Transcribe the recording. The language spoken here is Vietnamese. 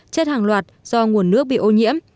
chất hàng loạt do nguồn nước bị ô nhiễm